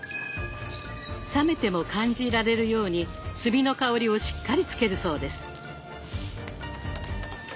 冷めても感じられるように炭の香りをしっかりつけるそうです。